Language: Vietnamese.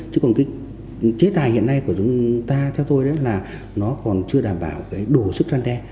chứ còn cái chế tài hiện nay của chúng ta theo tôi đó là nó còn chưa đảm bảo cái đủ sức gian đe